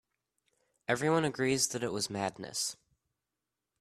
Everyone agrees that it was madness.